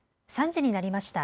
３時になりました。